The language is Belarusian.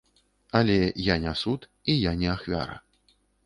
Але я не суд і я не ахвяра.